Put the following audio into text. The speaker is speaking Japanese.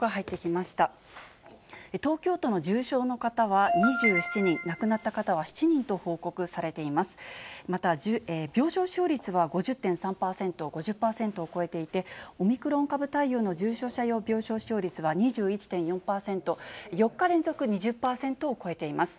また、病床使用率は５０．３％、５０％を超えていて、オミクロン株対応の重症者用病床使用率は２１．４％、４日連続２０％を超えています。